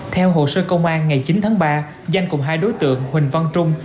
theo hồ sơ công an ngày chín tháng ba danh cùng hai đối tượng huỳnh văn trung